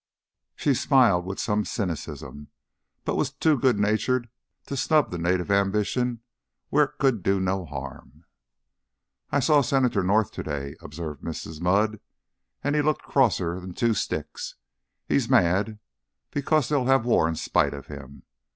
She smiled with some cynicism, but was too good natured to snub the native ambition where it could do no harm. "I saw Senator North to day," observed Mrs. Mudd, "and he looked crosser 'n two sticks. He's mad because they'll have war in spite of him.